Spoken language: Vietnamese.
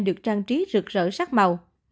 được trang trí rực rỡ sắc màu